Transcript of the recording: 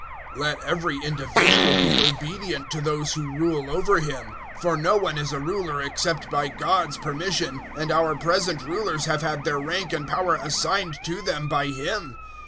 013:001 Let every individual be obedient to those who rule over him; for no one is a ruler except by God's permission, and our present rulers have had their rank and power assigned to them by Him.